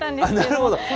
なるほど。